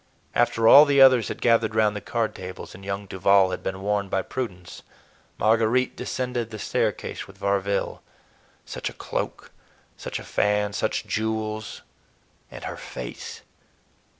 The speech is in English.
After all the others had gathered round the card tables, and young Duval had been warned by Prudence, Marguerite descended the staircase with Varville; such a cloak, such a fan, such jewels—and her face!